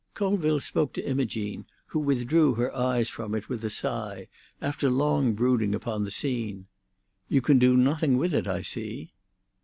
Colville spoke to Imogene, who withdrew her eyes from it with a sigh, after long brooding upon the scene. "You can do nothing with it, I see."